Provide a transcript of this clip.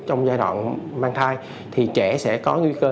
trong giai đoạn mang thai thì trẻ sẽ có nguy cơ